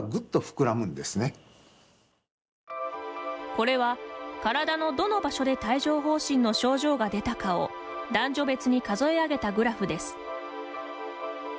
これは、体のどの場所で帯状ほう疹の症状が出たかを男女別に、数え上げたグラフです。